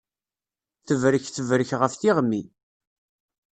Tebrek tebrek ɣef tiɣmi.